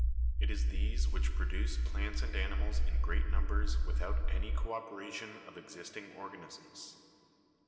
It is these which produce plants and animals in great numbers without any cooperation of existing organisms.